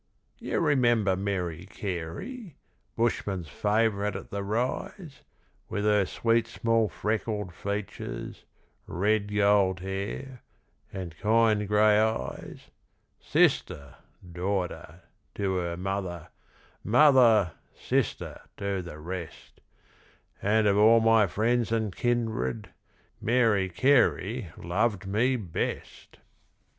You remember Mary Carey, Bushmen's favourite at the Rise? With her sweet small freckled features, Red gold hair, and kind grey eyes; Sister, daughter, to her mother, Mother, sister, to the rest And of all my friends and kindred, Mary Carey loved me best.